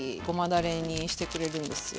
だれにしてくれるんですよ。